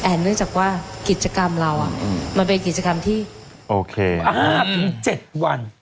เอนด์เนื่องจากว่ากิจกรรมเราเป็นกิจกรรมที่๕๗วัน